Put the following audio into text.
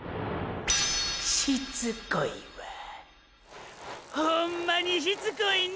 しつこいわほんまにしつこいね